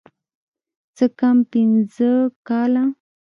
څه کم پينځه کاله.